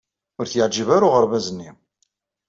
Ur t-yeɛjib ara uɣerbaz-nni.